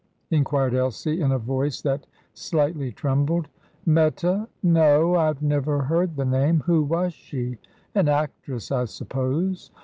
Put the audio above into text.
inquired Elsie, in a voice that slightly trembled. "Meta? No; I've never heard the name. Who was she? An actress, I suppose?"